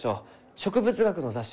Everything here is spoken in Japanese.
植物学の雑誌？